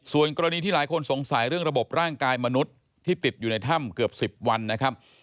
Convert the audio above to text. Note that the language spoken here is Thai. ส่วนกรณีที่หลายคนสงสัยเรื่องระบบร่างกายมนุษย์ที่ติดอยู่ในถ้ำเกือบ๑๐วันนะครับ